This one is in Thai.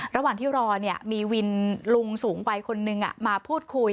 ระหว่างที่รอมีวินลุงสูงวัยคนนึงมาพูดคุย